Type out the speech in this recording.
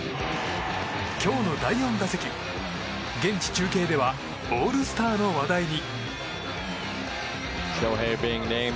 今日の第４打席、現地中継ではオールスターの話題に。